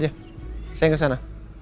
kau mau lihat kesana